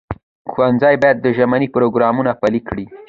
ښوونځي باید ژبني پروګرامونه پلي کړي.